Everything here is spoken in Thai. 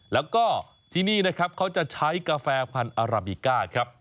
แล้วก็ที่นี่นะครับเขาจะใช้กาแฟพันธุ์อาราบิก้าครับ